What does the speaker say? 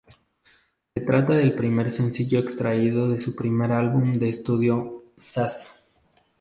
Se trata del primer sencillo extraído de su primer álbum de estudio, "Zaz".